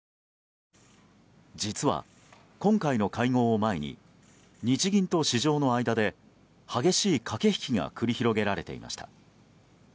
実は、今回の会合を前に日銀と市場の間で激しい駆け引きが繰り広げられていました。